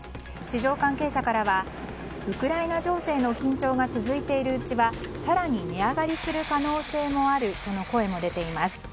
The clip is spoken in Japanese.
市場関係者からはウクライナ情勢の緊張が続いているうちは更に値上がりする可能性もあるとの声も出ています。